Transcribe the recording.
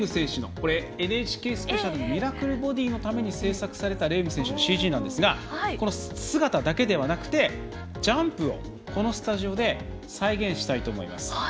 「ＮＨＫスペシャルミラクルボディー」のために制作されたレーム選手のＣＧなんですがこの姿だけではなくてジャンプをこのスタジオで再現したいと思います。